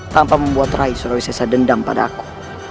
tanpa membuat rai surawi sesa dendam pada aku